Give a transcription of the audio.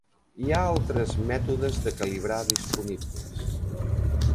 Hi ha altres mètodes de calibrar disponibles.